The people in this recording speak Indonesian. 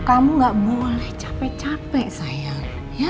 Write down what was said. kamu gak boleh capek capek saya